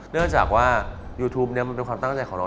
เนื่องจากว่ายูทูปมันเป็นความตั้งใจของเรา